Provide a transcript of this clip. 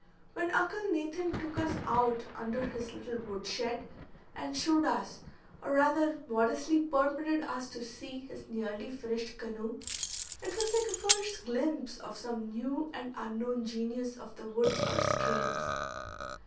When Uncle Nathan took us out under his little wood shed, and showed us, or rather modestly permitted us to see, his nearly finished canoe, it was like a first glimpse of some new and unknown genius of the woods or streams.